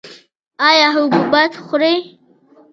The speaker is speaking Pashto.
ایا حبوبات خورئ؟